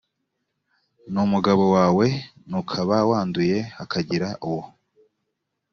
n umugabo wawe nukaba wanduye hakagira uwo